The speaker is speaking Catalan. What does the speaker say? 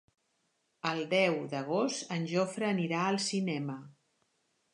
El deu d'agost en Jofre anirà al cinema.